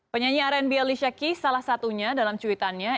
penyanyi rnb alicia keys salah satunya dalam cuitannya